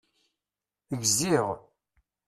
Gziɣ.